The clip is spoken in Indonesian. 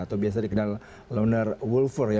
atau biasa dikenal loner wolfer ya